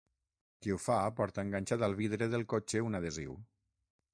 Qui ho fa, porta enganxat al vidre del cotxe un adhesiu.